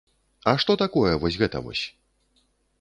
А што такое вось гэта вось?